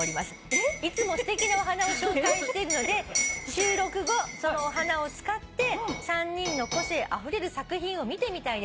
「いつもすてきなお花を紹介しているので収録後そのお花を使って３人の個性あふれる作品を見てみたいです」